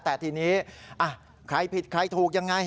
แต่ทีนี้ใครผิดใครถูกยังไง